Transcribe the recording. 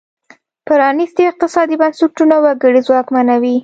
پرانیستي اقتصادي بنسټونه وګړي ځواکمنوي.